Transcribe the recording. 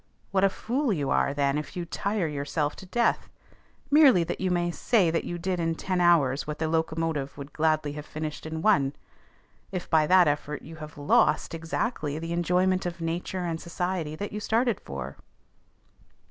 What a fool you are, then, if you tire yourself to death, merely that you may say that you did in ten hours what the locomotive would gladly have finished in one, if by that effort you have lost exactly the enjoyment of nature and society that you started for!"